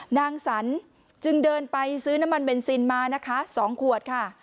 นางสรรจึงเดินไปซื้อน้ำมันเบนซินมานะคะ๒ขวดค่ะ